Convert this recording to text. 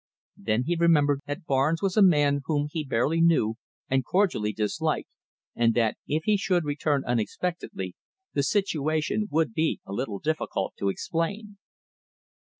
Then he remembered that Barnes was a man whom he barely knew, and cordially disliked, and that if he should return unexpectedly, the situation would be a little difficult to explain.